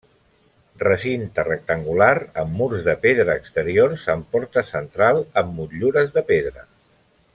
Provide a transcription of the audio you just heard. Recinte rectangular amb murs de pedra exteriors amb porta central amb motllures de pedra.